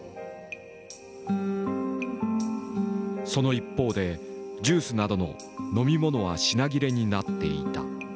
その一方でジュースなどの飲み物は品切れになっていた。